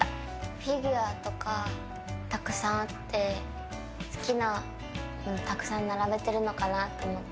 フィギュアとかたくさんあって好きなものをたくさん並べてるのかなって思って。